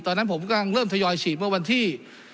ตอนนั้นผมกำลังเริ่มทยอยฉีดเมื่อวันที่